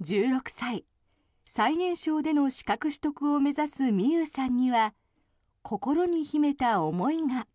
１６歳、最年少での資格取得を目指す美侑さんには心に秘めた思いが。